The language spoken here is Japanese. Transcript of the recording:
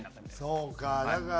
そうか。